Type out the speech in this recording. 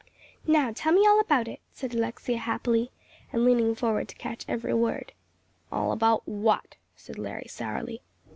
"Now tell me all about it," said Alexia, happily, and leaning forward to catch every word. "All about what?" said Larry, sourly.